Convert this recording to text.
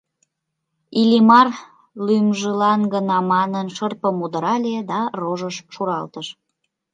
Иллимар, лӱмжылан гына манын, шырпым удырале да рожыш шуралтыш.